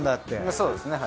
そうですね。